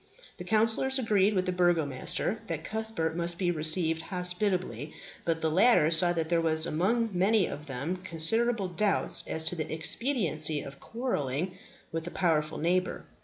The councillors agreed with the Burgomaster that Cuthbert must be received hospitably; but the latter saw that there was among many of them considerable doubt as to the expediency of quarrelling with a powerful neighbour.